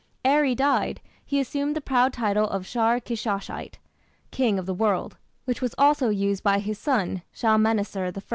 Ere he died, he assumed the proud title of "Shar Kishshate", "king of the world", which was also used by his son Shalmaneser I.